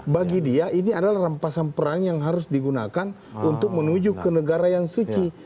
bagi dia ini adalah rampasan perang yang harus digunakan untuk menuju ke negara yang suci